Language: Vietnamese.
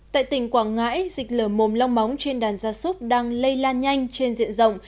tại tỉnh quảng ngãi dịch lở mồm long móng trên đàn gia súc đang lây lan nhanh trên diện rộng